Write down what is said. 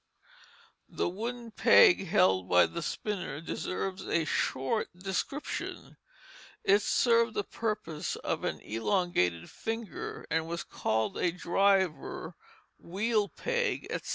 The wooden peg held by the spinner deserves a short description; it served the purpose of an elongated finger, and was called a driver, wheel peg, etc.